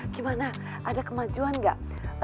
gimana ada kemajuan enggak